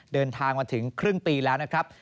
เดินทางมาถึงครึ่งปีแล้วนะครับ